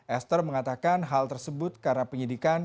esther mengatakan hal tersebut karena penyidikan